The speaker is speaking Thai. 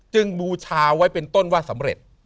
บูชาไว้เป็นต้นว่าสำเร็จ